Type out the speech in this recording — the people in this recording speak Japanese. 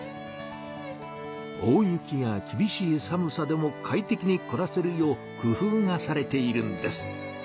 大雪やきびしいさむさでも快適にくらせるよう工夫がされているんです。